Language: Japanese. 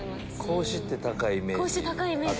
子牛って高いイメージ。